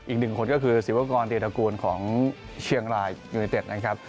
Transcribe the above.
อีกหนึ่งคนก็คือศิวากรเตีรกูลของเชียงรายยูนิเต็ดนะครับ